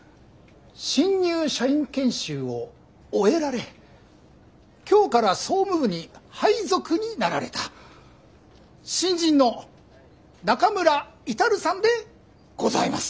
新入社員研修を終えられ今日から総務部に配属になられた新人の中村達さんでございます。